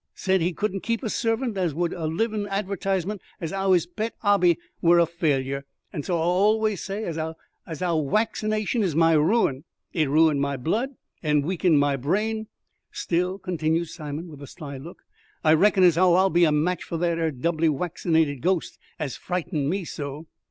"Said he couldn't keep a servant as would be a livin' advertisement as 'ow his pet 'obby wer a failure. And so I allays say as 'ow waccination is my ruin. It's ruined my blood and weakened my brain. Still," continued Simon, with a sly look, "I reckon as 'ow I'll be a match for that 'ere doubly waccinated ghost as frightened me so."